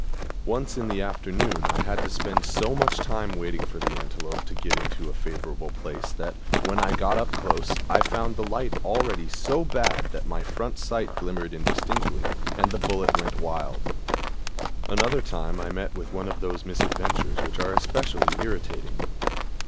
Once in the afternoon I had to spend so much time waiting for the antelope to get into a favorable place that, when I got up close, I found the light already so bad that my front sight glimmered indistinctly, and the bullet went wild. Another time I met with one of those misadventures which are especially irritating.